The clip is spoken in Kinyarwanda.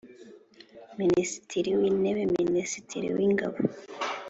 Minisitiri w Intebe Minisitiri w Ingabo